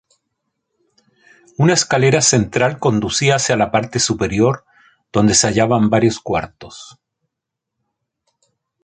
Una escalera central conducía hacia la parte superior, donde se hallaban varios cuartos.